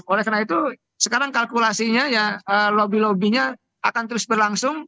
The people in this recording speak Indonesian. oleh karena itu sekarang kalkulasinya ya lobby lobbynya akan terus berlangsung